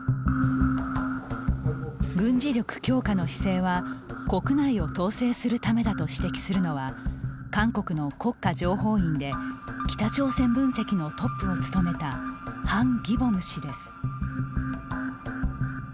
軍事力強化の姿勢は国内を統制するためだと指摘するのは韓国の国家情報院で北朝鮮分析のトップを務めたハン・ギボム氏です。